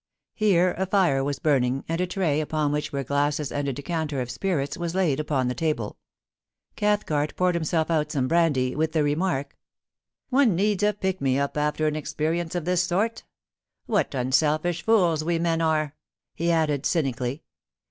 Here a lire was burning, and a tray, upon which were glasses and a decanter of spirits, was laid upon the tabl& Cathcart poured himself out some brandy, with the ' One needs a pick me up after an experience of this sort What unselfish fools we men are !' he added cynically.